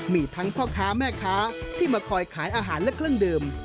มีทั้งพ่อค้าแม่ค้าที่มาคอยขายอาหารและเครื่องดื่ม